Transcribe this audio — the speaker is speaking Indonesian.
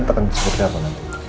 akan seperti apa nanti